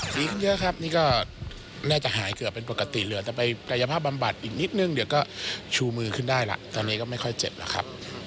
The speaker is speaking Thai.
ดีขึ้นเยอะครับนี่ก็น่าจะหายเกือบเป็นปกติเหลือแต่ไปกายภาพบำบัดอีกนิดนึงเดี๋ยวก็ชูมือขึ้นได้ล่ะตอนนี้ก็ไม่ค่อยเจ็บแล้วครับ